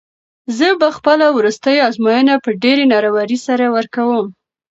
زه به خپله وروستۍ ازموینه په ډېرې نره ورۍ سره ورکوم.